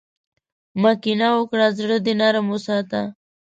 مه کینه وکړه، زړۀ دې نرم وساته.